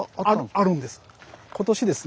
あるんです。